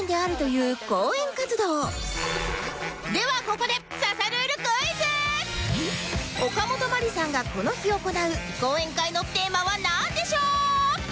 ここでおかもとまりさんがこの日行う講演会のテーマはなんでしょう？